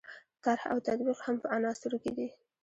طرح او تطبیق هم په عناصرو کې دي.